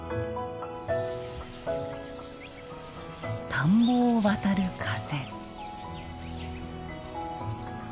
田んぼを渡る風。